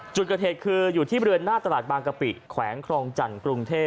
จุดเกิดเหตุคืออยู่ที่บริเวณหน้าตลาดบางกะปิแขวงครองจันทร์กรุงเทพ